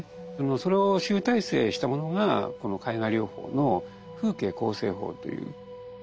それを集大成したものがこの絵画療法の「風景構成法」という。